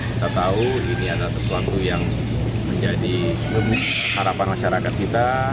kita tahu ini adalah sesuatu yang menjadi harapan masyarakat kita